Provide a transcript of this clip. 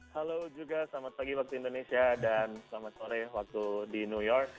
halo juga selamat pagi waktu indonesia dan selamat sore waktu di new york